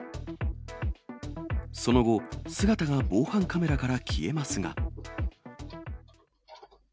その後、姿が防犯カメラから消えますが。